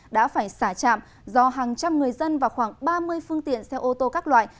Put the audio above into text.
đã phải xả trạm do hàng trăm người dân và khoảng ba mươi phương tiện xe ô tô các loại